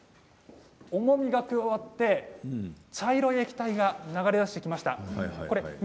重みが加わって茶色い液体が流れ出してきました。